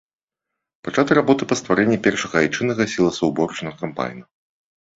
Пачаты работы па стварэнні першага айчыннага сіласаўборачных камбайна.